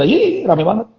iiih rame banget